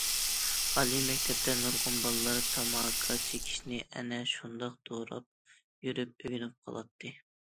ئالىي مەكتەپتە نۇرغۇن بالىلار تاماكا چېكىشنى ئەنە شۇنداق دوراپ يۈرۈپ ئۆگىنىپ قالاتتى.